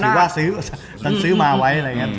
หน้าถือว่าซื้อมาไว้อะไรอย่างเงี้ย